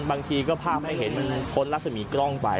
บางทีก็ภาพให้เห็นมันพ้นรัศมีกล้องไป